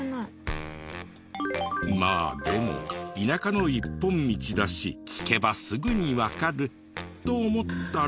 まあでも田舎の一本道だし聞けばすぐにわかると思ったら。